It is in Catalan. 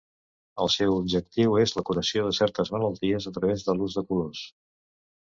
El seu objectiu és la curació de certes malalties a través de l'ús de colors.